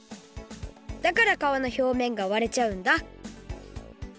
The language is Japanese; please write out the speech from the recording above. だからかわの表面が割れちゃうんだ